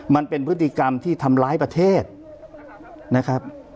มันเป็นพฤติกรรมที่ทำร้ายประเทศนะครับ